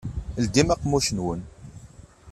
Ldim aqemmuc-nwen!